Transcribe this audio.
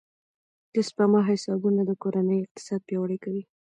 د سپما حسابونه د کورنۍ اقتصاد پیاوړی کوي.